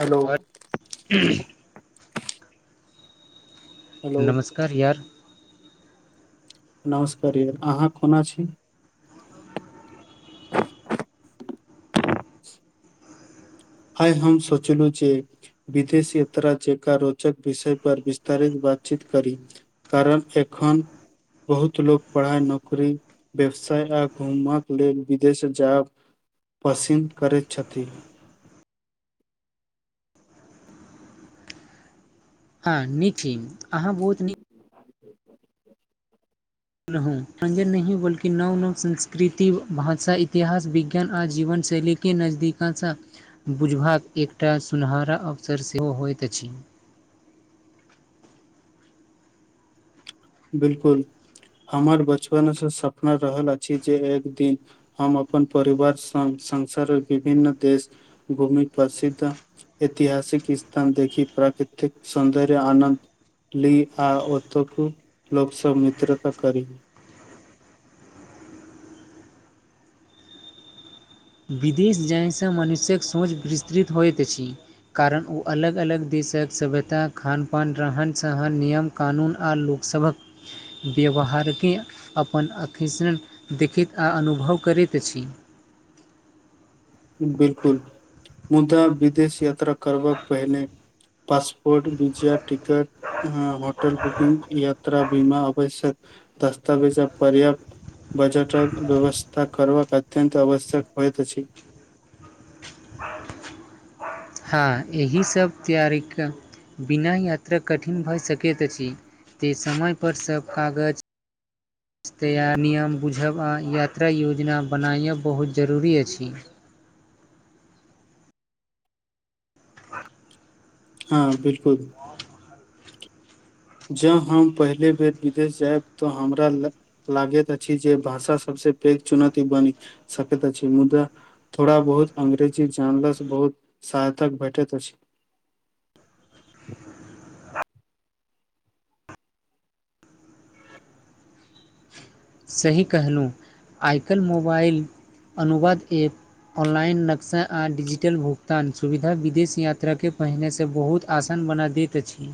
Hello आ [unintelligible] hello नमस्कार यार नमस्कार य अहाँ कोना छी आइ हम सोचलहुँ जे विदेश यात्रा जेका रोचक विषय पर विस्तारित बातचीत करी कारण एखन बहुत लोकग परहाइ नौकरी व्यवसाय आ घूमक लेल विदेश जाय पसीन करैत छथी ह नीक ह अहाँ बहुत नीक रहू मञजन नहि बल्कि नव नव संस्कृति भाषा इतिहास विज्ञान आ जीवन शैली के नजदीका बुझबाक एकटा सुनहरा अवसर सेहो होइत अछि बिल्कुल हमर बचपने सँ सपना रहल अछि जे एक दिन हम अपन परिवार संग संसार विभिन्न देश घूमि प्रसिद्ध ऐतिहासिक स्थान देखि प्राकृतिक सौन्दर्य आनन्द ली आ ओतको लोक सब मित्रता करी विदेश जाहिसँ मनुष्य कऽ सोच विस्तृत होइत अछि। कारण ओ अलग अलग दिशेकऽ सभ्यता खान पिन रहन सहन नियम। कानून आर लोकसभकऽ व्यवहार के अपन अकण देखैत आ अनुभव करैत अछि। बिल्कूल, मुदा विदेश यात्रा करब पहिने पासपोर्ट विजा टिकट ह, होटल बुकिंग यात्रा बीमा आवश्यक दस्तावेज पर्याप्त। बजट कऽ व्यवस्था करबाक अत्यत आवश्यक होइत अछि। हँ, एहि सभ तैयारीके बिनी यात्रा कठिन भऽ सकैत अछि। तऽ समय पर सभ कागज। [inaudible] नियम बुझब आ यात्रा योजना बनायब बहुत जरूरी अछि। हँ, बिल्कुल। ज हम पहिले बेर विदेश जायब तऽ हमरा लग। लागैत अछि, जे भाषा सभसँ पैघ चुनौती बनि सकैत अछि मुदा। थोड़ा बहुत अंग्रेजी जानल सँ बहुत सहायतक भेटैत अछि। सही कहलहुँ आइ काल्हि मोबाइल अनुवाद ऐप। ऑनलाइन नक्शा आ डिजिटल भुगतान सुविधा विदेश यात्राके पहिनेसे बहुत। आसन बना दैत अछि।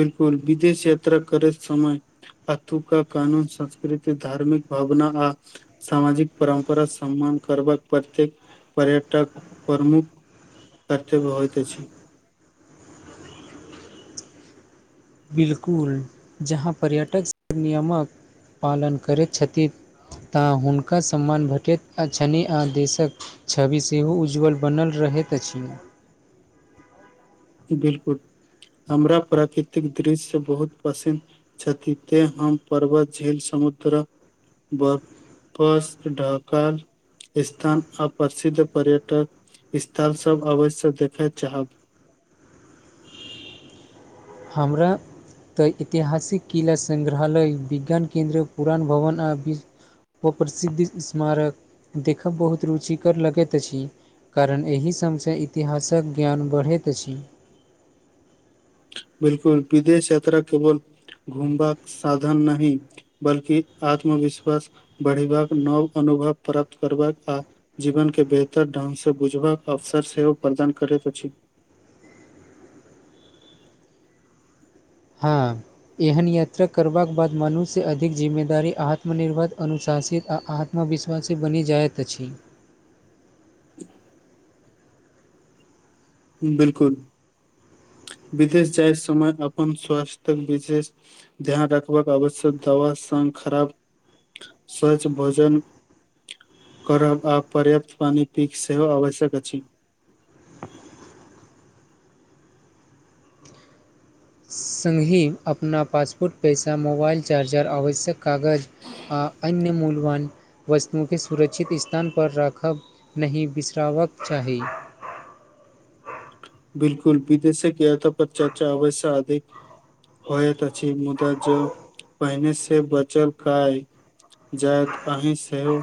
बिल्कूल विदेश यात्रा करे समय। अतुका कानून संस्कृति धार्मिक भावना आ। सामाजिक परम्परा समान करबाक प्रत्येक पर्यटक प्रमुख। कर्तव्य होइत अछि। बिल्कुल जहाँ पर्यटक सभ नियमक पालन करैत छथि। तऽ हुनका समान भेटैत अछि न आ देशक। छवि सेहो उज्ज्वल बनल रहैत अछि। बिल्कूल हमरा प्राकृतिक दृश्य बहुत पसन्द। छथि ते हम पर्वत झील समुद्र बर। पस्त ढक। स्थान आ प्रसिद्ध पर्यटक स्थल सभ अवश्य देखय चाहब। हमरा। तऽ ऐतिहासि कऽ किला संगग्रहालय विज्ञान केन्द्र पुरान भवन आ। ओ प्रसिद्ध स्मारकऽ देखब बहुत रुचिकर लगैत अछि। कारण एहि सभसँ इतिहासकऽ ज्ञान बढ़ैत अछि। बिल्कूल विदेश यात्रा केवल घुमबाक साधन नहि। बल्कि आत्म विश्वास बढ़ेबाक नव अनुभव प्राप्त करबाक आ जीवनके बेहतर ढंग से बुझबाक अवसर सेहो प्रदान करैत अछि। हँ। एहन यात्रा करबाकऽ बाद मनुष्य अधिक जिम्मेदारी आत्मनिर्भर अनुशासित आ। विश्वासी बनि जाइत अछि। [inaudible] बिल्कूल। विदेश जाय समय अपन स्वास्थकऽ विशेष। ध्यान रखबाक आवश्यक दवा संघ खराब। सवाच भजन। करब आ पर्यप्त पानि पीक सेहो आवश्यक अछि सङ्गहि अपना पासपोर्ट पैसा मोबाइल चार्जर आवश्यक कागज आ अन्य मूलवान वस्तुं के सुरक्षित स्थान पर राखब नहि बिसरावक चाही बिलकुल विदेशक या त पर चा चावैस आधिक होयत अछि मुदा जो पहिने से बचल काय जायत अहीँ सेहो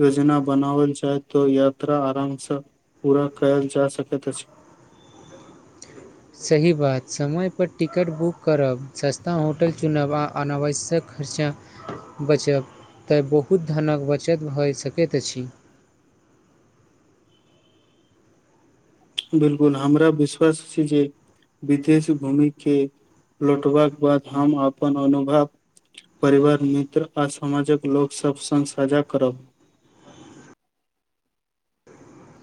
योजना बनावल जाय तो यात्रा आराम स पूरा कयल जा सकैत अछि सही बात समयपर टिकट बुक करब सस्ता होटल चुनब आ अनावश्यक खर्चा बचब तऽ बहुत धनक बचत भऽ सकैत अछि बिलकुल हमरा विश्वास छै जे वितेश भूमि के लौटबाक बाद हम अपन अनुभव परिवार मित्र आ समाजक लोक सब सङ्ग साझा करब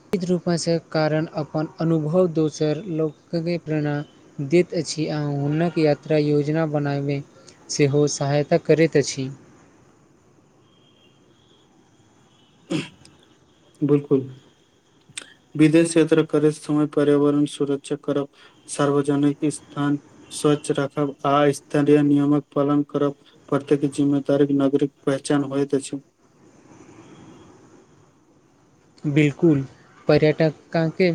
श्चित रूपासँ कारण अपन अनुभव दोसर लोकके प्रेरणा दैत अछि आहुँ हुनक यात्रा योजना बनाबे सेहो सहायता करैत अछि बिलकुल विदेश यात्रा करैत समय पर्यावरण सुरक्षा करब सार्वजनिक ईस्थान स्वच्छ रखब आ स्थानय नियमक पालन करब प्रतेक जिम्मेदारीक नगरिक पहचान होइ त अछी बिलकुल पर्यटकके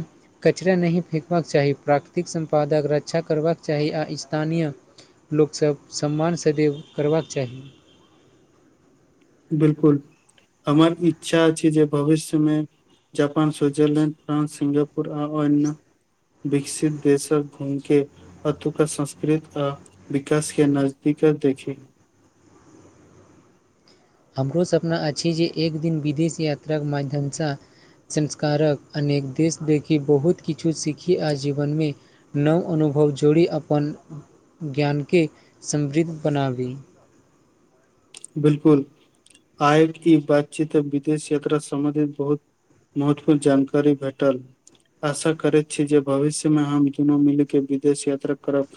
कचरा नहि फेेकबाक चाही प्राकृतिक सम्पादक रक्षा करबाक चाही आ स्थानीय लोकसभ सम्मान स देव करबाक चाही बिल्कुल हमर इच्छा छै जे भविष्यमे जापान सु [unintelligible] वजरलैंड फ्रान्स सि्गापुर आ अयना विकसित देशर घूमिके अतुका संस्कृत आ विकास के नजदीक अछी हमरो सपना अछि जे एक दिन विदेश यात्राके माध्यमसँ संस्कारक अनेक देश देखी बहुत किछु सीखी आ जीवनमे नव अनुभव जोड़ि अपन ज्ञानकेँ समृद्ध बनाबी बिलकुल आय ई बैतचीत विदेश यात्रा सम्बन्धित बहुत महत्वपूर्ण जानकारी भेटल आशा करैत छी जे भविष्यमे हम दुनू मिल के विदेश यात्रा करब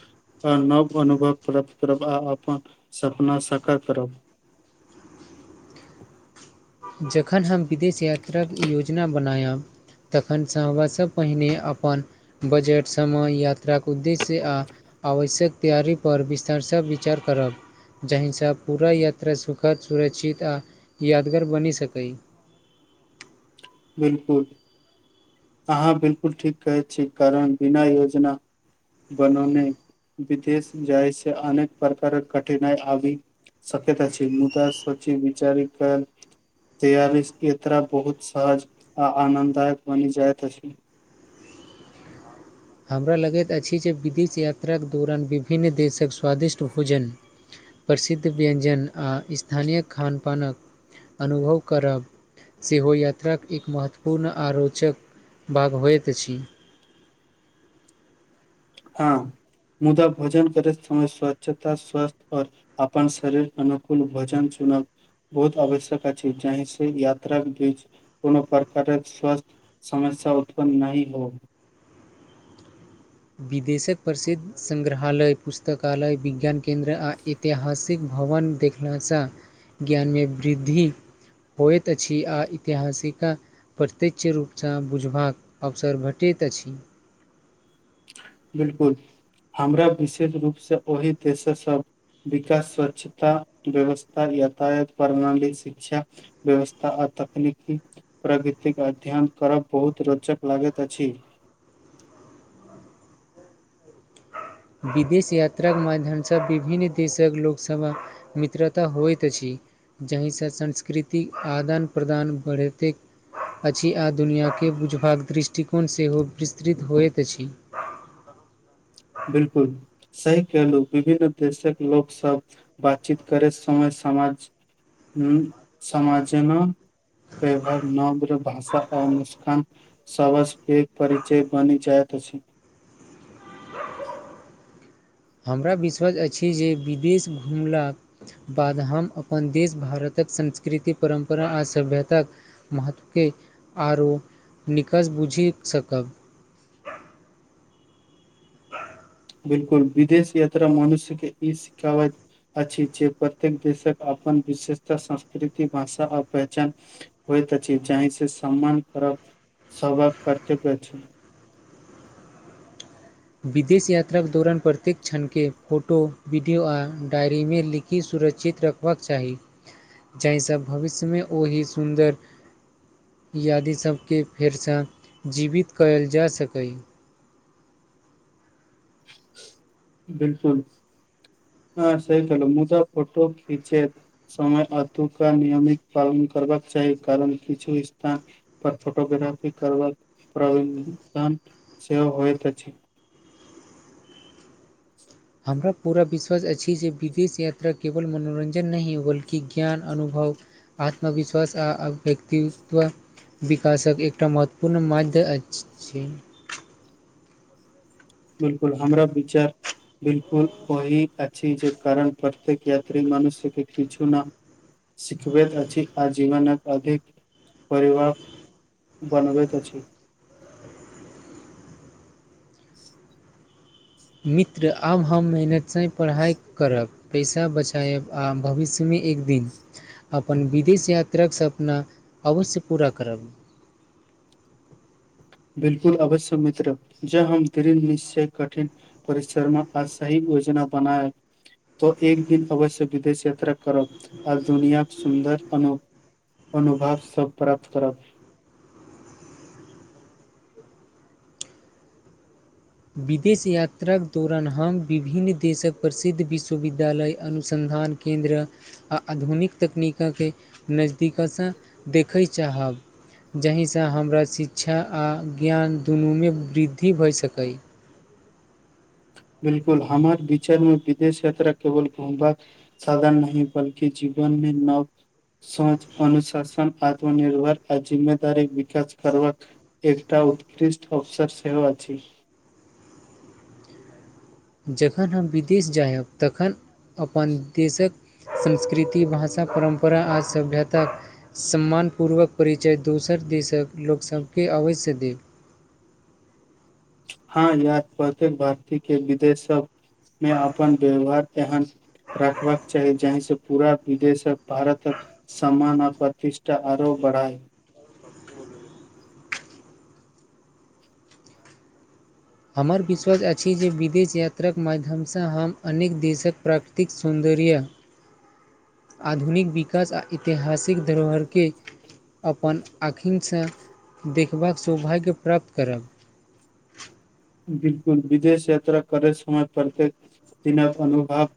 आ नव अनुभव प्रप्त करब आ अपन सपना सकत करब जखन हम विदेश यात्राक योजना बनायब तखनसँ हमासँ पहिने अपन बजट समय यात्राक उद्देश्य आ आवश्यक तैयारीपर विस्तारसँ विचार करब जाहिसँ पूरा यात्रा सुखद सुरक्षित आ यादगर बनि सकय बिलकुल अहाँ बिलकुल ठीक कहै छी कारण बिना योजना बनने विदेश जाइ छै अनेक प्रकारक कठिनाइ आबी सक्यत अछी मुदा सची विचारिक तयरि इतरा बहुत सहज आ आनन्ददायक बनि जाइत त अछि हमरा लगैत अछि जे विदेश यात्राक दुरान विभिन्न देशक स्वादिष्ट भोजन प्रसिद्ध व्यञ्जन आ ईस्थानीय खानपानक अनुभव करब सेहो यात्राक एक महत्वपूर्ण आ रोचक भाग होइत अछि हँ मुदा भोजन करैत समय स्वच्छता स्वस्थ आओर अपन शरीर क अनुकूल भोजन चुनब बहुत आवश्यक अछि जाहि से यात्राक बीच कोनो प्रकारक स्वस्थ समस्या उत्पन्न नहि हो विदेशक प्रसिद्ध संग्रहालय पुस्तकालय विज्ञान केन्द्र आ एक ऐतिहासिक भवन देखलासँ ज्ञानमे वृद्धि होइत अछि आ ऐतिहासिका प्रत्यक्ष रूपसँ बुझबाक अवसर भेटैत अछि बिल्कुल हमरा विशेष रूपसँ ओहि देश सभ विकास स्वच्छता व्यवस्था यातायात प्रणाली शिक्षा व्यवस्था आ तकनीकी प्रकृतिक अध्ययन करब बहुत रोचक लागैत अछि विदेश यात्राके माध्यमसँ विभिन्न देशक लोकसभ मित्रता होइत अछि जहिसँ संस्कृतिक आदान प्रदान बढ़ेतै अछि आ दुनिया के बुझबाक दृष्टिकोण सेहो विस्तृत होइत अछि बिल्कुल सही केहलु विभिन्न देशक लोक सब बातचीत करे समय समाज हु समाज जेना व नब भाषा आ मुस्कान सवस के परिचय बनि जाइत अछि [inaudible] हमरा विश्वज अछि जे विदेश घुमलाह बाद हम अपन देश भारतक संस्कृति परम्परा आ सभ्यताक महत्वके आरो निकस बुझि सकब बिल्कुल विदेश यात्रा मनुष्य के ई सिखावत अछि जे प्रत्येक देशक अपन विशेषता संस्कृति भाषा आ पहचान होइत अछि जाहिसे सम्मान [unintelligible] कर्तव्य अछि। विदेश यात्राक दौरान प्रत्येक क्षणके फोटो वीडियो आ डायरीमे लिखि सुरक्षित र हेबाक चाही जाहिसँ भविष्यमे ओही सुन्दर इऽ आदि सब के फेर सँ जीवित करल जा सकै बिल्कुल हँ सही कहलु मुदा फोटो खीचे समय अतुका नियमित पालन कर बाक चाही कारण किछु स्थान पर फोटोग्राफी करबा प प्रमाण सेहो होइत अछि हमरा पूरा विश्वास अछि जे विदेश यात्रा केवल मनोरंजन नहि हो बल्कि ज्ञान अनुभव आत्मविश्वास आ व्यक्तित्व विकास कऽ एक्टा महत्वपूर्ण मध्य अछि बिल्कुल हमरा विचार बिल्कुल ओहि अछि जे कारण पत्येक यात्री मनुष्यके किछु न सिखबैत अछि आ जीवनक अधिक परिवाह बनबैत अछि [inaudible] मित्र आब हम मेहनतसँ पढ़ाइ करब पैसा बचायब आ भविष्य में एक दिन अपन विदेश यात्रा कऽ सपना अवश्य पूरा करब बिल्कुल अवश्य मित्र ज हम द निशय कठिन परिसरमे आ सही योजना बनाए तो एक दिन अवश्य विदेश यात्रा करब आर दुनिया सुन्दर अनुप अनुभव सब प्राप्त करब विदेश यात्राक दौरान हम विभिन्न देशक प्रसिद्ध विश्वविद्यालय अनुसन्धान केन्द्र आ आधुनिक तकनीक के नजदीक सँ देखय चाहब जाहिसँ हमरा शिक्षा आ ज्ञान दुनूमे वृद्धि भऽ सकै बिल्कुल हमारे विचार मे विदेश यात्रा केवल घूमबा साधन नहि बल्कि जीवनमे नव सझ अनुशासन आत्मनिर्भर आ जिम्मेदारी विकास करवा एकटा उत्कृष्ट अवसर सेहो अछि जखन हम विदेश जायब तखन अपन देशक संस्कृति भाषा परम्परा आ सभ्यताक सम्मानपूर्वक परिचय दोसर देशक लोकसभकेँ अवश्य देब। हँ यार प्रत्येक भारतीय के विदेश सबमे अपन व्यवहार एहन रखबाक चाही जहिसँ पूरा विदेश भारतक समान आ प्रतिष्ठा आरो बरहाई हमर विश्वास अछि जे विदेश यात्राक माध्यमसँ हम अनेक देशक प्राकृतिक सौन्दर्य आधुनिक विकास आ ऐतिहासिक धरोहरकेँ अपन अखीनसँ देखबाक सौभाग्य प्राप्त करब बिलकुल विदेश यात्रा करे समय प्रत्येक दिनक अनुभव